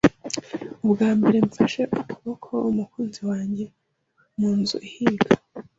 Ubwa mbere mfashe ukuboko umukunzi wanjye mu nzu ihiga.